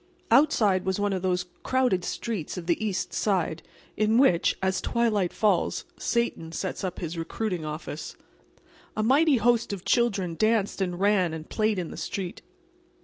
Outside was one of those crowded streets of the east side, in which, as twilight falls, Satan sets up his recruiting office. A mighty host of children danced and ran and played in the street.